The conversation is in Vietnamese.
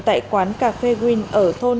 tại quán cà phê green ở thôn